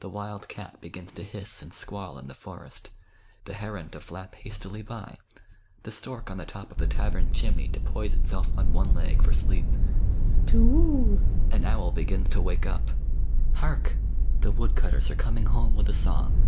The wild cat begins to hiss and squall in the forest, the heron to flap hastily by, the stork on the top of the tavern chimney to poise itself on one leg for sleep. To whoo ! an owl begins to wake up. Hark ! the wood cutters are coming home with a song.